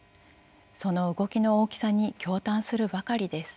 その動きの大きさに驚嘆するばかりです。